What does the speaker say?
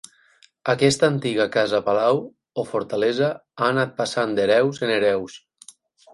Aquesta antiga casa-palau o fortalesa ha anat passant d'hereus en hereus.